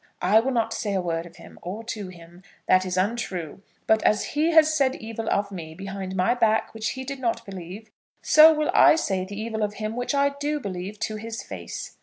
I will not say a word of him, or to him, that is untrue; but as he has said evil of me behind my back which he did not believe, so will I say the evil of him, which I do believe, to his face."